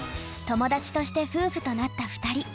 友達として夫婦となった２人。